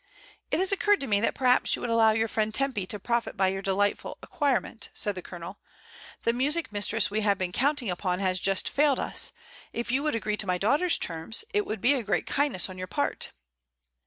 "It has occurred to me that perhaps you would allow your friend Tempy to profit by your delightful acquirement," said the Colonel. "The music mis tress we have been counting upon has just failed us. If you would agree to my daughter's terms, it will be a great kindness on your part."